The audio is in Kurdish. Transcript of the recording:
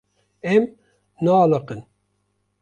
Em naaliqin.